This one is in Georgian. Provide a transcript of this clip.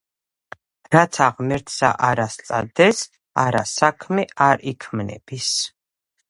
რაცა ღმერთსა არა სწადდეს, არა საქმე არ იქმნების!